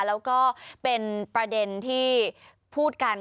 แล้วก็เป็นประเด็นที่พูดกัน